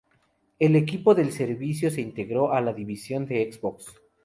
El equipo del servicio se integró en la división de Xbox.